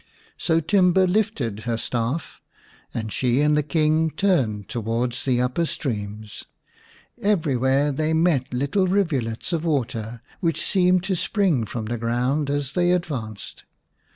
So Timba lifted her staff, and she and the King turned towards the upper streams. Every where they met little rivulets of water, w^hich seemed to spring from the ground as they advanced.